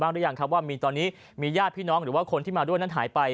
หรือยังครับว่ามีตอนนี้มีญาติพี่น้องหรือว่าคนที่มาด้วยนั้นหายไป